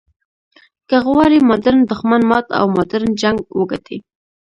که غواړې ماډرن دښمن مات او ماډرن جنګ وګټې.